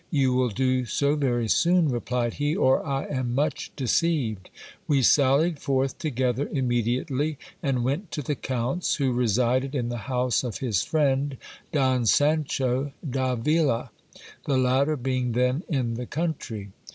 You will do so very soon, replied he, or I am much deceived. We I sallied forth together immediately, and went to the count's, who resided in the house of his friend, Don Sancho d'Avila, the latter being then in the country.